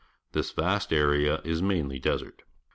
This vast area is mainly desert.